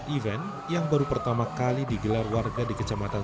event yang baru pertama kali digelar warga di kecamatan